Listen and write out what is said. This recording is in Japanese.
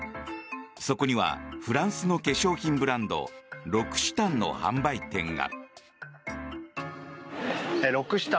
そこにはフランスの化粧品ブランドロクシタンの販売店が。